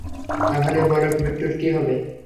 তাহলে বলো, বিট্টুর কি হবে?